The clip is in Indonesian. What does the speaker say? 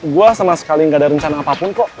gue sama sekali gak ada rencana apapun kok